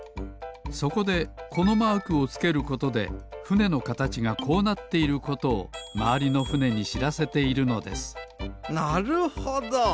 そこでこのマークをつけることでふねのかたちがこうなっていることをまわりのふねにしらせているのですなるほど。